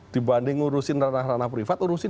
dibanding ngurusin ranah ranah privat urusin